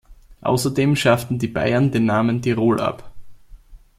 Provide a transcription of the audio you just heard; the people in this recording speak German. Außerdem schafften die Bayern den Namen „Tirol“ ab.